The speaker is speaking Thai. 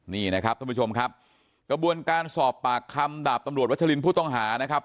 นี่นะครับท่านผู้ชมครับกระบวนการสอบปากคำดาบตำรวจวัชลินผู้ต้องหานะครับ